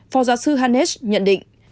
phó giáo sư hanesh nhận định